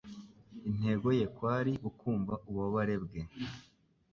Intego ye kwari ukumva ububabare bwe,